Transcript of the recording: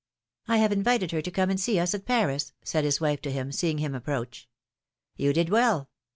I have invited her to come and see us at Paris," said his wife to him, seeing him approach. You did well."